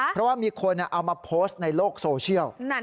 เพราะว่ามีคนเอามาโพสต์ในโลกโซเชียล